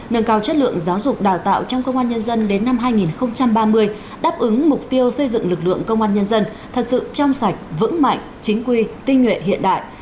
nâng cao chất lượng giáo dục đào tạo trong công an nhân dân đến năm hai nghìn ba mươi đáp ứng mục tiêu xây dựng lực lượng công an nhân dân thật sự trong sạch vững mạnh chính quy tinh nhuệ hiện đại